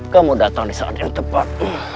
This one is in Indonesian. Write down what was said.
kamu datang di saat yang tepat